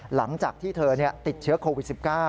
หลังจากที่เธอติดเชื้อโควิด๑๙